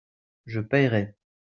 Je paierai.